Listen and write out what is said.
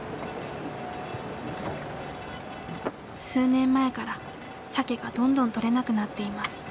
数年前からサケがどんどん取れなくなっています。